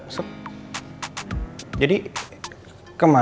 kemarin kamu sibuk di rumah